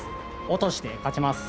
落として勝ちます。